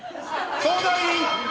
相談員？